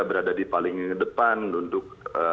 berada di paling depan untuk